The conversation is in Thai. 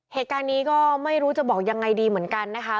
เหตุการณ์นี้ก็ไม่รู้จะบอกยังไงดีเหมือนกันนะคะ